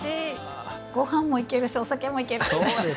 ごはんもいけるしお酒もいける。